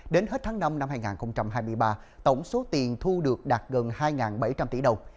đến hết tháng năm năm hai nghìn hai mươi ba tổng số tiền thu được đạt gần hai bảy trăm linh tỷ đồng